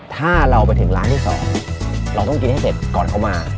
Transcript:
ถ้าเราไปถึงร้านที่๒เราต้องกินให้เสร็จก่อนเขามา